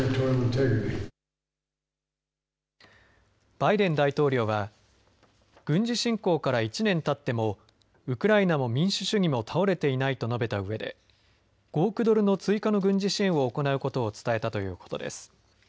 バイデン大統領は軍事侵攻から１年たってもウクライナも民主主義も倒れていないと述べたうえで５億ドルの追加の軍事支援を行うことを伝えたということです。